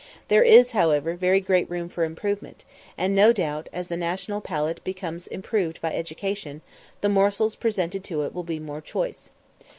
There is, however, very great room for improvement, and no doubt, as the national palate becomes improved by education, the morsels presented to it will be more choice.